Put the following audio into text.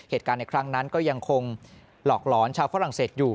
เหตุการณ์ในครั้งนั้นก็ยังคงหลอกหลอนชาวฝรั่งเศสอยู่